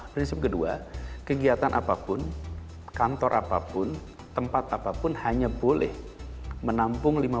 prinsip kedua kegiatan apapun kantor apapun yang berkegiatan hanya yang sehat bila tidak sehat tetap di rumah